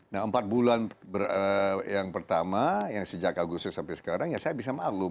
nah empat bulan yang pertama yang sejak agustus sampai sekarang ya saya bisa maklum